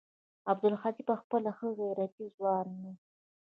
عبدالهادي پخپله ښه غيرتي ځوان و.